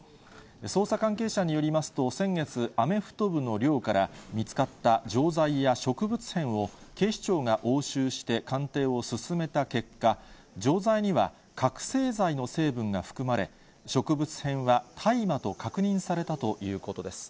捜査関係者によりますと、先月、アメフト部の寮から、見つかった錠剤や植物片を、警視庁が押収して鑑定を進めた結果、錠剤には覚醒剤の成分が含まれ、植物片は大麻と確認されたということです。